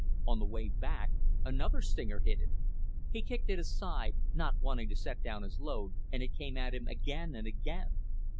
On the way back, another stinger hit him. He kicked it aside, not wanting to set down his load, and it came at him again and again.